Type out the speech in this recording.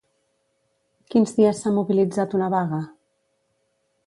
Quins dies s'ha mobilitzat una vaga?